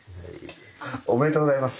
おめでとうございます。